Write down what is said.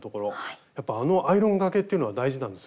やっぱあのアイロンがけっていうのは大事なんですよね？